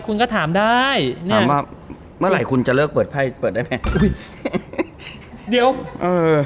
คุณก็ถามได้ถามว่าเมื่อไหร่คุณจะเลิกเปิดไพ่เปิดได้ไหมเดี๋ยวเออ